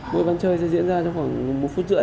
mỗi bán chơi sẽ diễn ra trong khoảng một phút rưỡi